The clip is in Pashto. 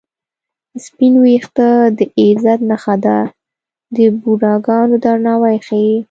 سپین وېښته د عزت نښه ده د بوډاګانو درناوی ښيي